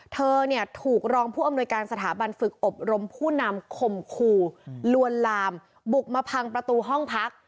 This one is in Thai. เธอเนี่ยถูกรองผู้อำนวยการสถาบันฝึกอบรมผู้นำข่มขู่ลวนลามบุกมาพังประตูห้องพัก